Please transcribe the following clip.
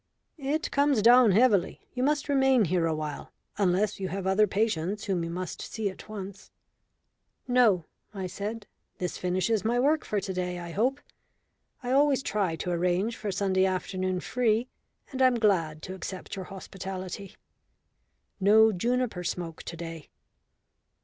"It comes down heavily. You must remain here awhile, unless you have other patients whom you must see at once." "No," I said. "This finishes my work for to day, I hope. I always try to arrange for Sunday afternoon free, and I'm glad to accept your hospitality. No juniper smoke to day."